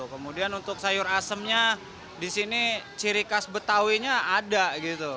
kemudian untuk sayur asemnya di sini ciri khas betawinya ada gitu